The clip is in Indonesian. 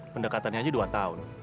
pendekatannya aja dua tahun